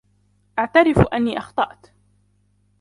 أعترف أني أخطأت.